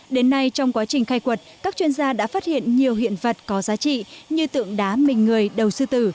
đến nay trong quá trình khai quật các chuyên gia đã phát hiện nhiều hiện vật có giá trị như tượng đá mình người đầu sư tử